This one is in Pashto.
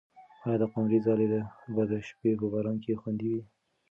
آیا د قمرۍ ځالۍ به د شپې په باران کې خوندي وي؟